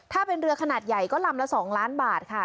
ถ้าเป็นเรือขนาดใหญ่ก็ลำละ๒ล้านบาทค่ะ